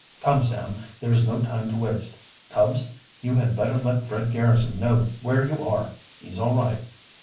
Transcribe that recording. Come, Sam, there is no time to waste. Tubbs, you had better let Fred Garrison know where you are. He's all right."